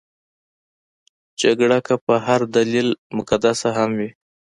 جګړه که په هر دلیل مقدسه هم وي.